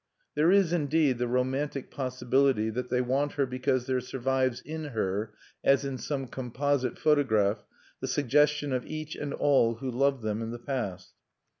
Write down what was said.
There is, indeed, the romantic possibility that they want her because there survives in her, as in some composite photograph, the suggestion of each and all who loved them in the past.